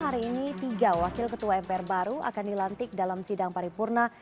hari ini tiga wakil ketua mpr baru akan dilantik dalam sidang paripurna